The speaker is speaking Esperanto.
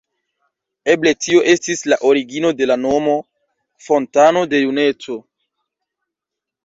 Eble tio estis la origino de la nomo ""fontano de juneco"".